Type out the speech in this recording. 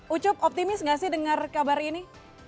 ucup optimis enggak sih dengar kabar ini